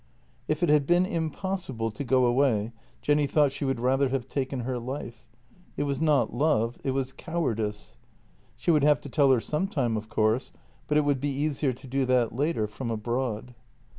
If it had been impossible to go away Jenny thought she would rather have taken her life. It was not love — it was cowardice. She would have to tell her sometime, of course, but it would be easier to do that later, from abroad.